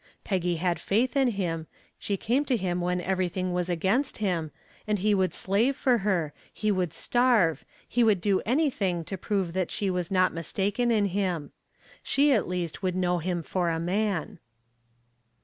Peggy had faith in him. She came to him when everything was against him, and he would slave for her, he would starve, he would do anything to prove that she was not mistaken in him. She at least should know him for a man.